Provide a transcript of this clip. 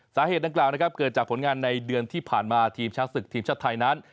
สาเหตุดังกล่าวนะครับเกิดจากผลงานในเดือนที่ผ่านมาทีมช้างศึกทีมชาติไทยนั้น